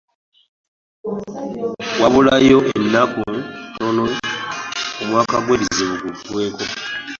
Wabulayo ennaku ntono omwaka gw'ebizibu gugweeko.